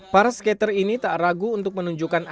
para skater ini tak ragu untuk menunjukkan